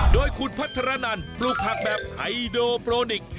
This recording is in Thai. โดยคุณพัฒนันปลูกผักแบบไฮโดโปรนิกส